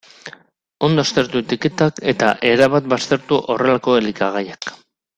Ondo aztertu etiketak, eta erabat baztertu horrelako elikagaiak.